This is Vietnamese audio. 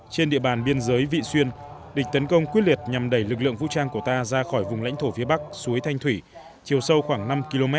trên địa bàn biên giới vị xuyên địch tấn công quyết liệt nhằm đẩy lực lượng vũ trang của ta ra khỏi vùng lãnh thổ phía bắc suối thanh thủy chiều sâu khoảng năm km